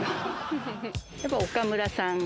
やっぱ岡村さん。